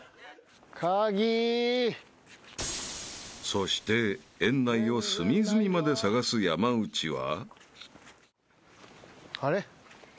［そして園内を隅々まで探す山内は］